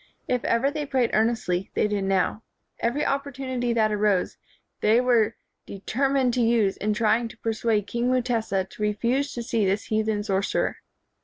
If ever they prayed earnestly they did now. Every opportunity that arose, they were de 116, KING AND WIZARD termined to use in trying to persuade King Mutesa to refuse to see this heathen sor cerer.